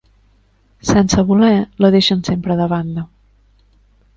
Sense voler, la deixen sempre de banda.